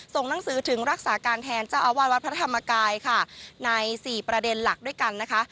หนังสือถึงรักษาการแทนเจ้าอาวาสวัดพระธรรมกายค่ะในสี่ประเด็นหลักด้วยกันนะคะ